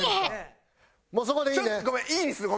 もうそこでいいね？